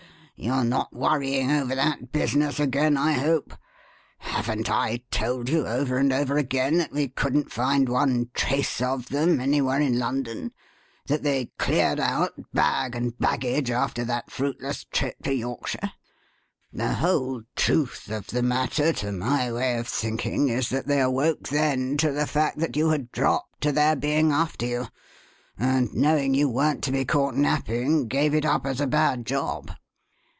You are not worrying over that business again, I hope. Haven't I told you over and over again that we couldn't find one trace of them anywhere in London that they cleared out bag and baggage after that fruitless trip to Yorkshire? The whole truth of the matter, to my way of thinking, is that they awoke then to the fact that you had 'dropped' to their being after you, and knowing you weren't to be caught napping, gave it up as a bad job."